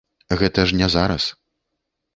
Гэта ж не зараз.